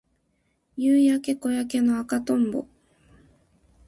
夕焼け小焼けの赤とんぼ